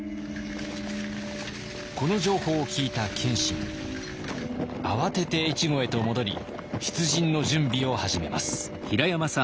この情報を聞いた謙信慌てて越後へと戻り出陣の準備を始めます。